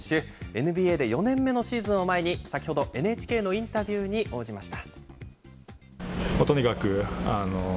ＮＢＡで４年目のシーズンを前に、先ほど、ＮＨＫのインタビューに応じました。